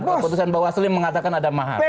pertanyaan bawaslu yang mengatakan ada mahal